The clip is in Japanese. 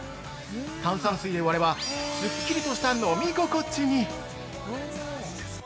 炭酸水で割ればすっきりとした飲み心地に！